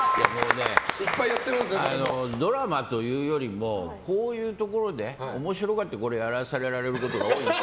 ドラマというよりもこういうところで面白がってやらされることが多い。